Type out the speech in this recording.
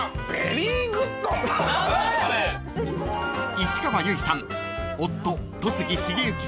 ［市川由衣さん］